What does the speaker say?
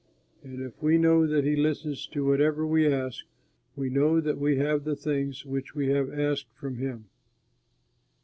And if we know that he listens to whatever we ask, we know that we have the things which we have asked from him.